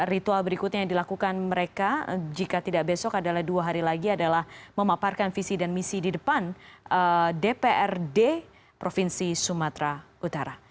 ritual berikutnya yang dilakukan mereka jika tidak besok adalah dua hari lagi adalah memaparkan visi dan misi di depan dprd provinsi sumatera utara